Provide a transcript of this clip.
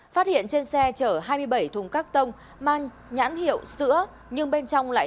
phát hiện trên xe chở hai mươi bảy thùng các tông mang nhãn hiệu sữa nhưng bên trong lại